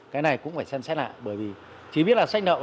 cái này cũng phải xem xét lại bởi vì chỉ biết là sách nậu